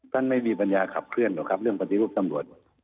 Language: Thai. ไม่มีปัญญาขับเคลื่อนหรอกครับเรื่องปฏิรูปตำรวจ